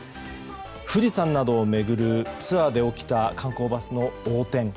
富士山などを巡るツアーで起きた観光バスの横転。